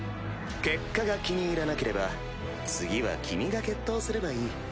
結果が気に入らなければ次は君が決闘すればいい。